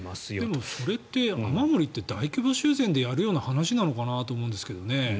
でも、それって雨漏りって大規模修繕でやるような話なのかと思いますけどね。